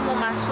aku mau masuk